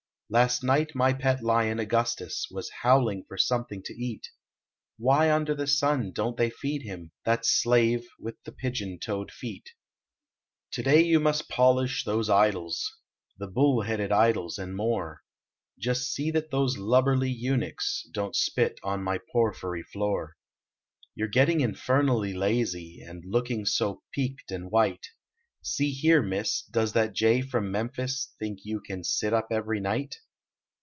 Last night my pet lion, Augustus, Was howling for something to eat Why under the sun don t they feed him That slave with the pigeon toed feet ? Today vou must polish those idols. The buhl headed idols and more, just see that those lubberly eunuchs Don t spit on my porphry floor. You re getting infernally la/.v And looking so peeked and white. See here, miss ! Does that jay from Memphis Think you can sit up every night?